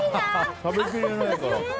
食べきれないから。